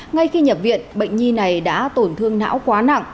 ngay khi nhập viện bệnh nhi này đã tổn thương não quá nặng